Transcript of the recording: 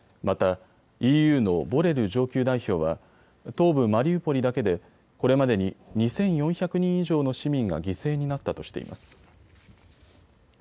またＥＵのボレル上級代表は東部マリウポリだけでこれまでに２４００人以上の市民が犠牲になったとしています。